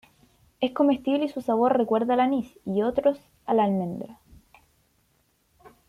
Es comestible y su sabor recuerda al anís y otros a las almendras.